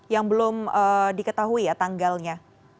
yang belum diketahui ya tanggalnya